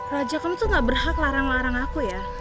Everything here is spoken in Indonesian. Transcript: raja kamu tuh gak berhak larang larang aku ya